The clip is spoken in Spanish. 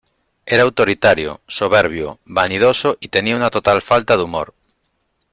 Era autoritario, soberbio, vanidoso y tenía una total falta de humor.